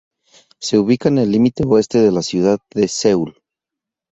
Se ubica en el límite oeste de la ciudad de Seúl.